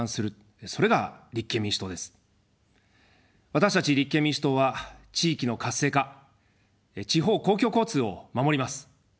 私たち立憲民主党は地域の活性化、地方公共交通を守ります。